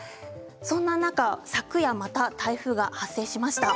そんな中、昨夜また台風が発生しました。